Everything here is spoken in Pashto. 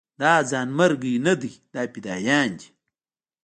دا ځانمرګي نه دي دا فدايان دي.